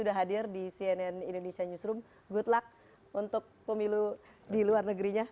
sudah hadir di cnn indonesia newsroom good luck untuk pemilu di luar negerinya